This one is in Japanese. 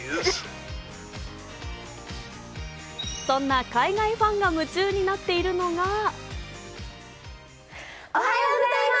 そんな海外ファンが夢中になっているのが。